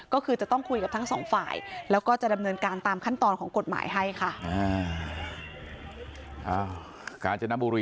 ก็คือจะต้องคุยกับทั้งสองฝ่ายแล้วก็จะดำเนินการตามขั้นตอนของกฎหมายให้ค่ะ